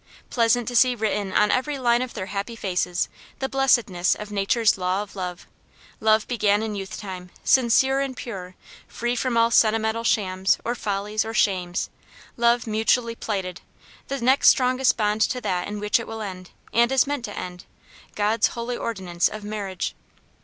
Pleasant to see written on every line of their happy faces the blessedness of Nature's law of love love began in youth time, sincere and pure, free from all sentimental shams, or follies, or shames love mutually plighted, the next strongest bond to that in which it will end, and is meant to end, God's holy ordinance of marriage.